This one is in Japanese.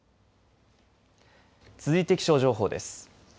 続いて、気象情報です。